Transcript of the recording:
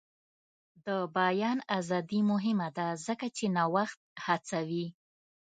د بیان ازادي مهمه ده ځکه چې نوښت هڅوي.